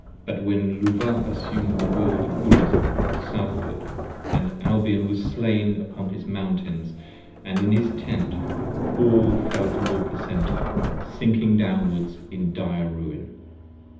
15 But when Luvah assumed the World of Urizen, Southward, And Albion was slain upon his Mountains & in his Tent, All fell towards the Centre, sinking downwards in dire ruin.